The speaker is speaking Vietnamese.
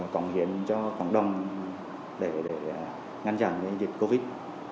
cống hiến cho cộng đồng để ngăn chặn dịch covid